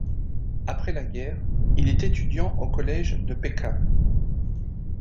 Après la guerre, il est étudiant au collège de Peckham.